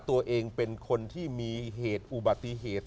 ตัวเองเป็นคนที่มีเหตุอุบัติเหตุ